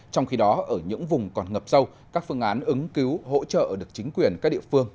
trong khi đó ở những vùng còn ngập sâu các phương án ứng cứu hỗ trợ được chính quyền các địa phương